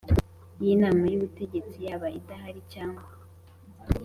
W inama y ubutegetsi yaba adahari cyangwa